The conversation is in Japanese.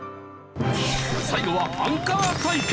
最後はアンカー対決！